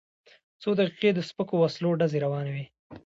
څو دقیقې د سپکو وسلو ډزې روانې وې.